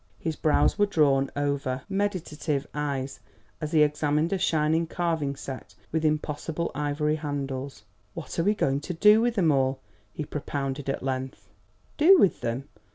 His brows were drawn over meditative eyes as he examined a shining carving set with impossible ivory handles. "What are we going to do with them all?" he propounded at length. "Do with them?